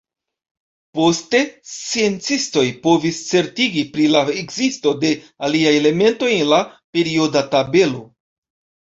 Poste, sciencistoj povis certigi pri la ekzisto de aliaj elementoj en la perioda tabelo.